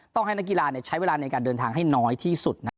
ต้องให้นักกีฬาใช้เวลาในการเดินทางให้น้อยที่สุด